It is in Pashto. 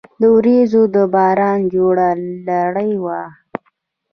له وریځو د باران جوړه لړۍ وه